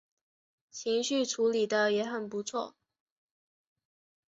情绪处理的也很不错